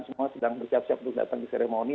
semua sedang bersiap siap untuk datang ke seremoni